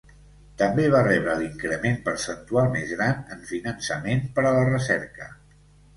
També va rebre l'increment percentual més gran en finançament per a la recerca.